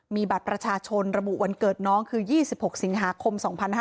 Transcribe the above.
มีบัตรประชาชนระบุวันเกิดน้องคือ๒๖สิงหาคม๒๕๕๙